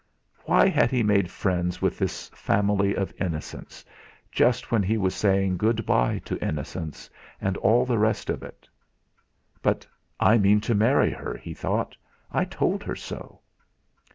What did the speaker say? Why had he made friends with this family of innocents just when he was saying good bye to innocence, and all the rest of it? 'But I mean to marry her,' he thought; 'I told her so!'